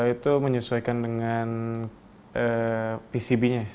yang susah itu menyesuaikan dengan pcb nya